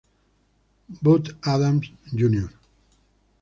Bud Adams, Jr.